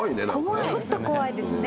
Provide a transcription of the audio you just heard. ちょっと怖いですね。